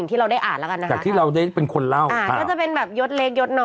ภูมิจากสิ่งที่เราได้อ่านโหล